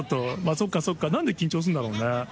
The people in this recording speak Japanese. そっか、そっか、なんで緊張するんだろうね？